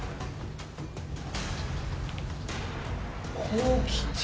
こうきて。